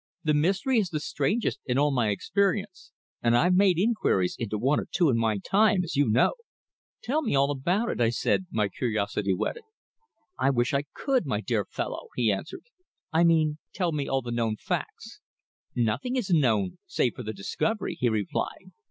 The mystery is the strangest in all my experience, and I've made inquiries into one or two in my time, as you know." "Tell me all about it," I said, my curiosity whetted. "I wish I could, my dear fellow," he answered. "I mean, tell me all the known facts." "Nothing is known save the discovery," he replied.